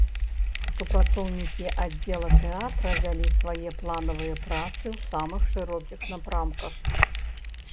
Супрацоўнікі аддзела тэатра вялі свае планавыя працы ў самых шырокіх напрамках.